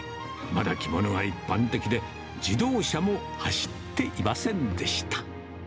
まだ着物が一般的で、自動車も走っていませんでした。